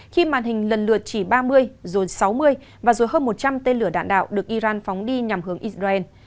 khi màn hình lần lượt chỉ ba mươi rồi sáu mươi và rồi hơn một trăm linh tên lửa đạn đạo được iran phóng đi nhằm hướng israel